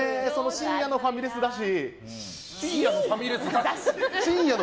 深夜のファミレスだし。